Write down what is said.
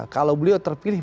kalau beliau terpilih